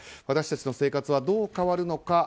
私たちの生活はどう変わるのか。